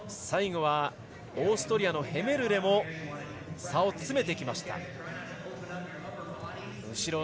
最後は、オーストリアのヘメルレも差を詰めました。